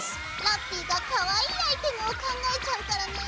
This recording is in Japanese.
ラッピィがかわいいアイテムを考えちゃうからね。